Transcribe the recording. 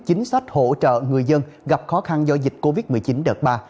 chính sách hỗ trợ người dân gặp khó khăn do dịch covid một mươi chín đợt ba